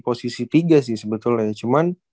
posisi tiga sih sebetulnya cuman